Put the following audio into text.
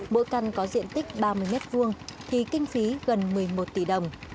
mỗi căn có diện tích ba mươi m hai thì kinh phí gần một mươi một tỷ đồng